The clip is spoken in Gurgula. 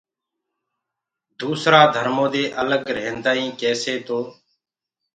دوسرآ ڌرمودي الگ ريهدآئينٚ ڪيسي تو